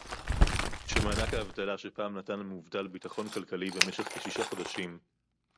כשמענק האבטלה שפעם נתן למובטל ביטחון כלכלי במשך כשישה חודשים